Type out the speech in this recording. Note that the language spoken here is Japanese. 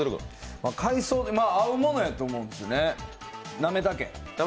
海藻と合うものやと思うんですよ、なめたけ。